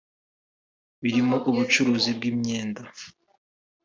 birimo ubucuruzi bw’imyenda